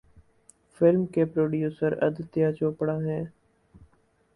Film کے producer Aditya Chopra ہیں۔